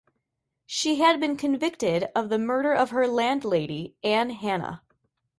She had been convicted of the murder of her landlady Ann Hannah.